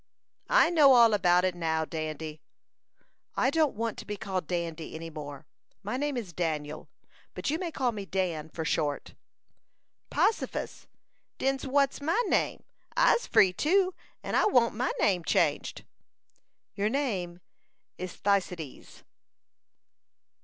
"I knows all about it now, Dandy." "I don't want to be called Dandy any more. My name is Daniel, but you may call me Dan for short." "Possifus! Den's what's my name? I'se free too, and I wan't my name changed." "Your name is Thucydides."